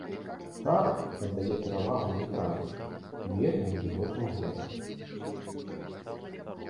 Тара аддае перавагу нейтральным, вельмі вільготным глебам.